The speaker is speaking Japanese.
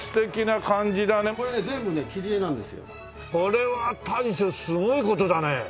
これは大将すごい事だね。